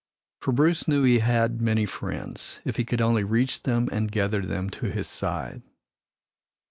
For Bruce knew he had many friends, if he could only reach them and gather them to his side.